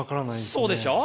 そうでしょう？